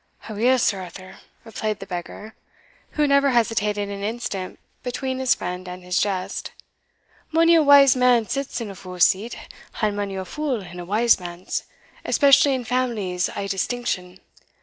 "Aweel, Sir Arthur," replied the beggar, who never hesitated an instant between his friend and his jest, "mony a wise man sits in a fule's seat, and mony a fule in a wise man's, especially in families o' distinction."